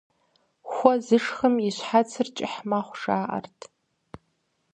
Хуэ зышхым и щхьэцыр кӀыхь мэхъу, жаӀэрт.